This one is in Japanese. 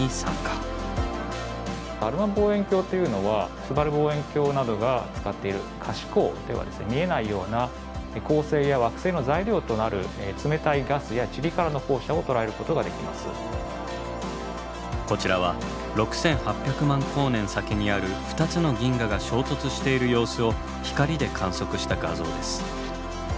アルマ望遠鏡というのはすばる望遠鏡などが使っている可視光では見えないようなこちらは６，８００万光年先にある２つの銀河が衝突している様子を光で観測した画像です。